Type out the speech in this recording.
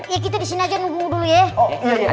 iya kita di sini aja nunggu dulu ya